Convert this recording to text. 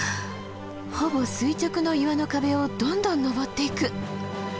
ほぼ垂直の岩の壁をどんどん登っていく。